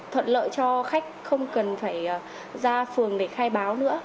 thuận lợi cho khách không cần phải ra phường để khai báo nữa